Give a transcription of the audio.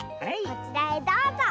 こちらへどうぞ。